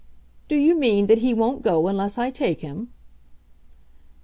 "Do you mean that he won't go unless I take him?"